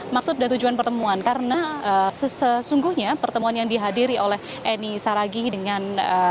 maksud dan tujuan pertemuan karena sesungguhnya pertemuan yang dihadiri oleh eni saragih dengan